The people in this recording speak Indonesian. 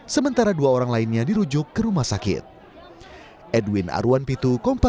sementara dua orang lainnya dirujuk ke rumah sakit